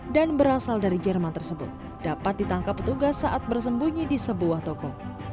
dan berasal dari jerman tersebut dapat ditangkap petugas saat bersembunyi di sebuah toko